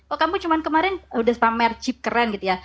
oh kamu cuma kemarin udah spammer jeep keren gitu ya